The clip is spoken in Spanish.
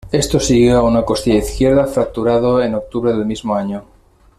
Esto siguió a una costilla izquierda fracturada en octubre del mismo año.